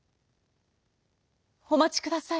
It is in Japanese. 「おまちください。